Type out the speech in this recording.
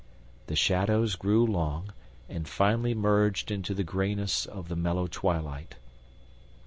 The shadows grew long, and finally merged into the grayness of the mellow twilight.